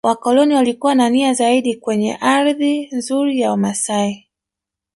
Wakoloni walikuwa na nia zaidi kenye ardhi nzuri ya wamasai